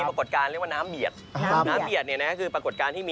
ประกดการน้ำเบียดคือลักษณะหน้าพอ